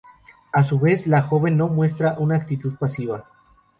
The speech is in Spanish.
A su vez, la joven no muestra una actitud pasiva.